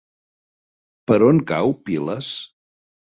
Per on cau Piles?